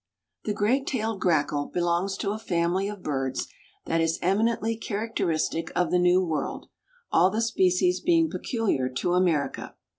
_) The Great tailed Grackle belongs to a family of birds that is "eminently characteristic of the New World, all the species being peculiar to America."